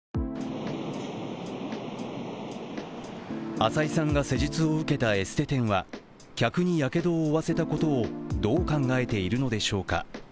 浅井さんが施術を受けたエステ店は客にやけどを負わせたことをどう考えているのでしょうか。